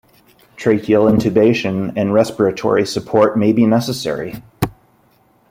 Tracheal intubation and respiratory support may be necessary.